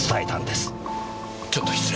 ちょっと失礼。